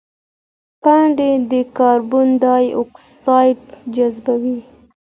پاڼې د کاربن ډای اکساید جذبوي